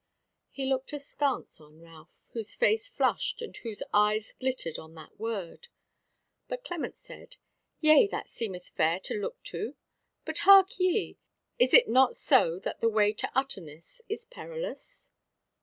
He looked askance on Ralph, whose face flushed and whose eyes glittered at that word. But Clement said: "Yea, that seemeth fair to look to: but hark ye! Is it not so that the way to Utterness is perilous?"